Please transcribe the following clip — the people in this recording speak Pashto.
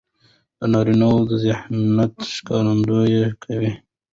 د نارينه ذهنيت ښکارندويي کوي.